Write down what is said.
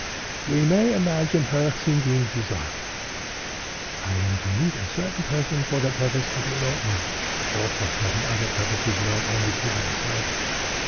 "We may imagine her thinking thus—'I am to meet a certain person for the purpose of elopement, or for certain other purposes known only to myself.